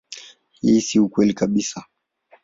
Hii si kweli kabisa.